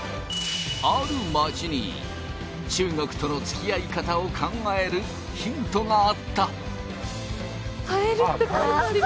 ある町に中国との付き合い方を考えるヒントがあった。